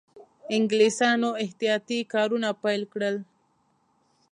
انګلیسیانو احتیاطي کارونه پیل کړل.